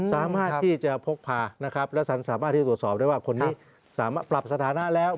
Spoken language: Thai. สามารถที่จะพกพานะครับและสันสามารถที่ตรวจสอบได้ว่าคนนี้สามารถปรับสถานะแล้ว